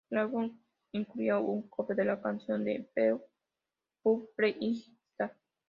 El álbum incluía un cover de la canción de Deep Purple "Highway Star".